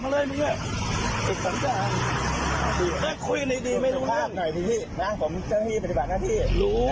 มือฟาหน่อยสิพี่นะผมจะให้ปฏิบัติหน้าที่วู้